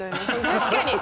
確かに。